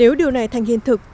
nếu điều này thành hiện thực